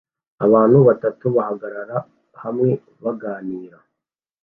Abantu batatu bahagarara hamwe baganira